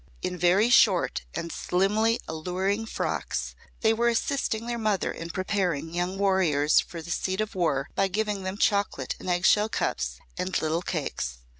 In very short and slimly alluring frocks they were assisting their mother in preparing young warriors for the seat of war by giving them chocolate in egg shell cups and little cakes.